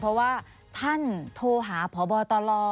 เพราะว่าท่านโทรหาพบตล